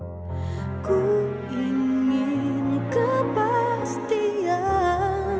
aku ingin kepastian